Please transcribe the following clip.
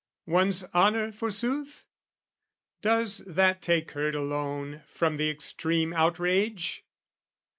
One's honour forsooth? Does that take hurt alone From the extreme outrage?